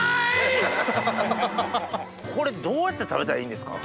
これどうやって食べたらいいんですか？